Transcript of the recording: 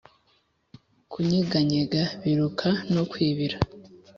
kunyeganyega biruka no kwibira